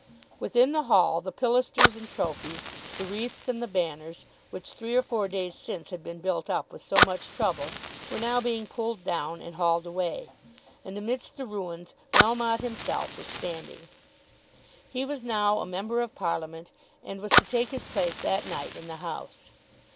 Within the hall the pilasters and trophies, the wreaths and the banners, which three or four days since had been built up with so much trouble, were now being pulled down and hauled away. And amidst the ruins Melmotte himself was standing. He was now a member of Parliament, and was to take his place that night in the House.